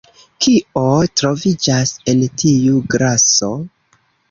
Kio troviĝas en tiu glaso?